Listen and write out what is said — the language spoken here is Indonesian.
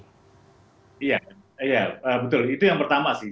iya iya betul itu yang pertama sih